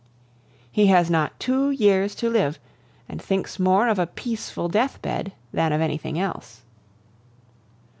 He has not two years to live, and thinks more of a peaceful deathbed than of anything else.